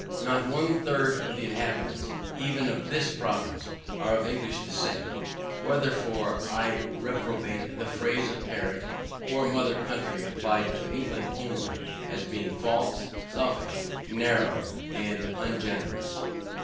Not one third of the inhabitants, even of this province, are of English descent. Wherefore I reprobate the phrase of parent or mother country applied to England only, as being false, selfish, narrow and ungenerous.